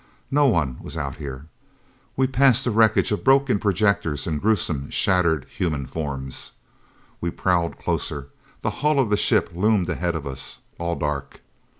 No one was out here. We passed the wreckage of broken projectors, and gruesome, shattered human forms. We prowled closer. The hull of the ship loomed ahead of us. All dark.